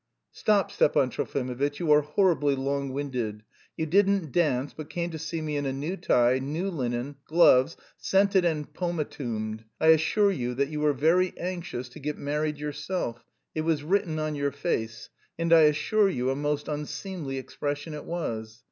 "Stop, Stepan Trofimovitch, you are horribly long winded. You didn't dance, but came to see me in a new tie, new linen, gloves, scented and pomatumed. I assure you that you were very anxious to get married yourself; it was written on your face, and I assure you a most unseemly expression it was.